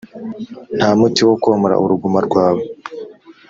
Nta muti wo komora uruguma rwawe